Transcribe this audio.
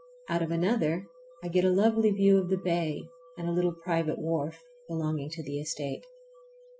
Out of another I get a lovely view of the bay and a little private wharf belonging to the estate.